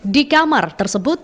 di kamar tersebut